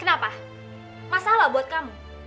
kenapa masalah buat kamu